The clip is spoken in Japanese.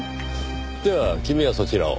では君はそちらを。